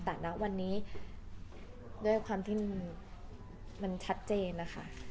แต่ณวันนี้ด้วยความที่มันชัดเจนนะคะ